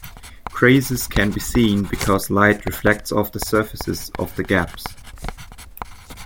Crazes can be seen because light reflects off the surfaces of the gaps.